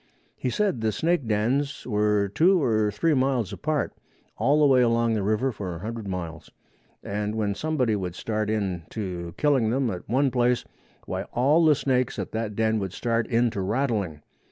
He said the snake dens were two or three miles apart, all the way along the river for a hundred miles, and when somebody would start in to killing them at one place, why all the snakes at that den would start in to rattling.